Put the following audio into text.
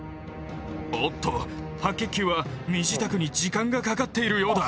おっと白血球は身支度に時間がかかっているようだ。